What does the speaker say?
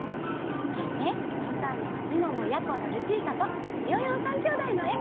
そして「ファンターネ！」のみももやころルチータとビヨヨン３きょうだいのえ！